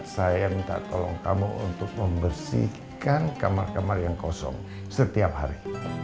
saya minta tolong kamu untuk membersihkan kamar kamar yang kosong setiap hari